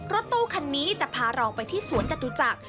รถตู้คันนี้จะพาเราไปที่สวนจตุจักร